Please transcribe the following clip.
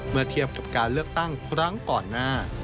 เมื่อเทียบกับการเลือกตั้งครั้งก่อนหน้า